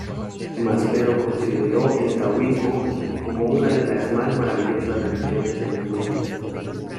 Maspero consideró el Taoísmo como una de las más maravillosas religiones en el mundo.